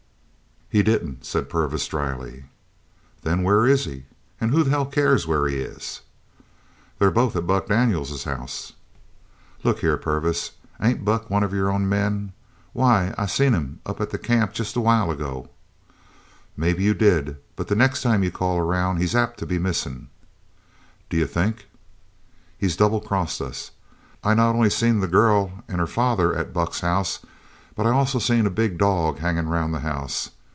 "He didn't," said Purvis drily. "Then where is he? An' who the hell cares where he is?" "They're both at Buck Daniels's house." "Look here, Purvis, ain't Buck one of your own men? Why, I seen him up at the camp jest a while ago!" "Maybe you did, but the next time you call around he's apt to be missin'." "D'you think " "He's double crossed us. I not only seen the girl an' her father at Buck's house, but I also seen a big dog hangin' around the house.